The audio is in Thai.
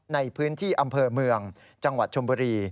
ในพื้นที่อำเภอเมืองจังหวัดชมบุรี